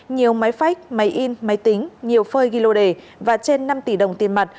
nhiều máy phách máy in máy tính nhiều phơi ghi lô đề và trên năm tỷ đồng tiền mặt